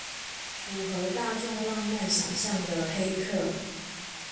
符合大眾浪漫想像的黑客